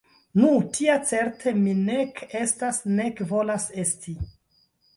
Nu, tia certe mi nek estas, nek volas esti.